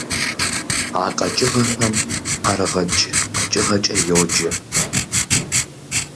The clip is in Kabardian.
А къэкӀыгъэхэм ӀэрыгъэкӀ къэкӀыгъэкӀэ йоджэ.